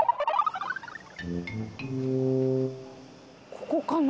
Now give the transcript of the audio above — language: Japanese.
ここかな？